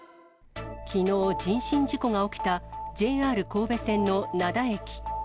きのう、人身事故が起きたＪＲ神戸線の灘駅。